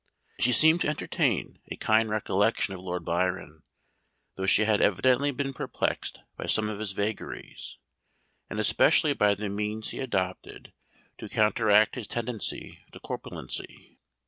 She seemed to entertain a kind recollection of Lord Byron, though she had evidently been much perplexed by some of his vagaries; and especially by the means he adopted to counteract his tendency to corpulency.